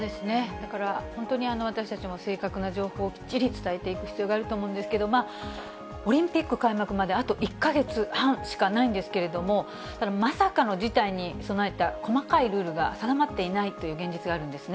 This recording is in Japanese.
だから、本当に私たちも正確な情報をきっちり伝えていく必要があると思うんですけれども、オリンピック開幕まであと１か月半しかないんですけれども、ただ、まさかの事態に備えた細かいルールが定まっていないという現実があるんですね。